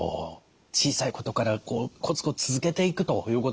小さいことからコツコツ続けていくということが大事。